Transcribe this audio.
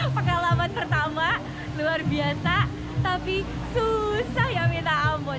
pengalaman pertama luar biasa tapi susah ya minta ampun